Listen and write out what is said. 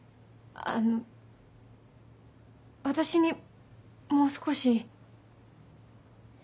あの私にもう少し。